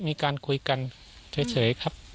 มีการคุยกันเฉยครับ